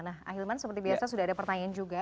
nah ahilman seperti biasa sudah ada pertanyaan juga